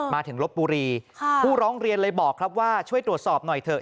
มาถึงลบบุรีผู้ร้องเรียนเลยบอกครับว่าช่วยตรวจสอบหน่อยเถอะ